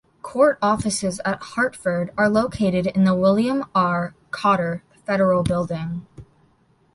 Court offices at Hartford are located in the William R. Cotter Federal Building.